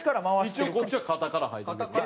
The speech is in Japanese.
一応こっちは肩から生えてるよね。